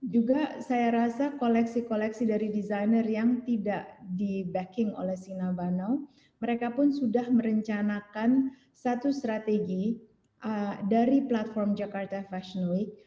juga saya rasa koleksi koleksi dari desainer yang tidak di backing oleh si novano mereka pun sudah merencanakan satu strategi dari platform jakarta fashion week